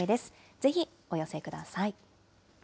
ぜひお寄せください。